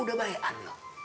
udah balik an